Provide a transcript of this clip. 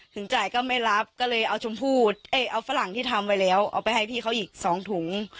ถึงจ่ายก็ไม่รับก็เลยเอาชมพู่เอาฝรั่งที่ทำไว้แล้วเอาไปให้พี่เขาอีก๒ถุง